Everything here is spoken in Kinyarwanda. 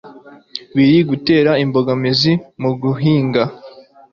biri gutera imbogamizi muguhinga